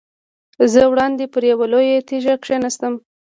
زه وړاندې پر یوه لویه تیږه کېناستم.